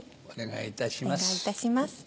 お願いいたします。